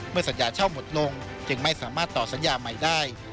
สัญญาเช่าหมดลงจึงไม่สามารถต่อสัญญาใหม่ได้